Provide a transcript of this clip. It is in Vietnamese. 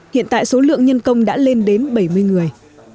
hiện tại số lượng nhân công đã lên đến bảy mươi người